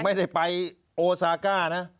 ไม่ได้ไปโอซาก้านะ